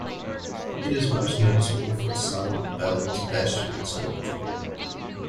It is most notable for its signing of Belle and Sebastian and Snow Patrol.